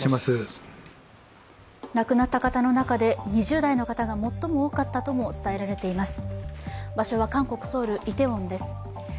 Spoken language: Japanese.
亡くなった方の中で２０代の方が最も多かったとも伝えられています。